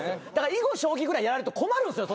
囲碁将棋ぐらいやられると困るんですよ。